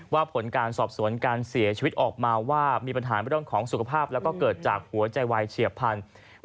ผลการสอบสวนการเสียชีวิตออกมาว่ามีปัญหาเรื่องของสุขภาพแล้วก็เกิดจากหัวใจวายเฉียบพันธุ์